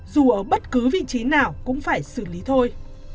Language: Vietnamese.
dù ở bất cứ vị trí nào cũng phải xử lý thôi